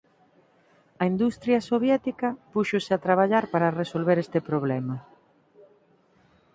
A industria soviética púxose a traballar para resolver este problema.